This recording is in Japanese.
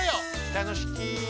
・たのしき。